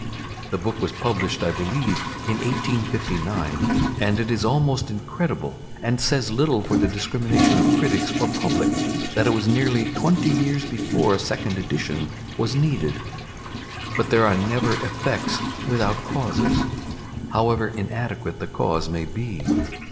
The book was published, I believe, in 1859, and it is almost incredible, and says little for the discrimination of critics or public, that it was nearly twenty years before a second edition was needed. But there are never effects without causes, however inadequate the cause may be.